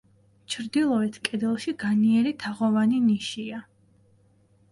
ჩრდილოეთ კედელში განიერი თაღოვანი ნიშია.